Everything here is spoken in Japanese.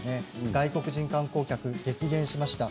外国人観光客が激減しました。